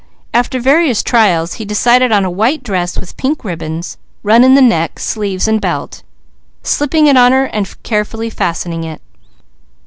After various trials he decided on a white dress with pink ribbons run in the neck, sleeves, and belt, slipping it on her and carefully fastening it.